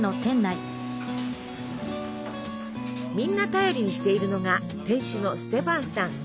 みんな頼りにしているのが店主のステファンさん。